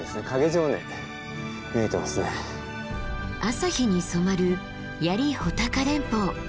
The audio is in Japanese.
朝日に染まる槍・穂高連峰。